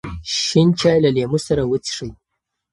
شین چای له لیمو سره وڅښئ.